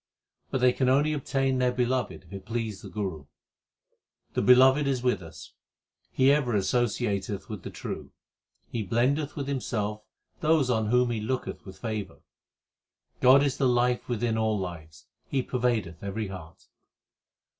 , but they can only obtain their Beloved if it please the Guru. The Beloved is with us ; He ever associateth with the true ; He blendeth with Himself those on whom He looketh with favour. God is the life within all lives ; He pervadeth every heart.